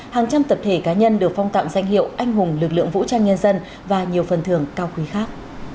hàng trăm tập thể cá nhân được phong tặng danh hiệu anh hùng lực lượng vũ trang nhân dân và nhiều phần thưởng cao quý khác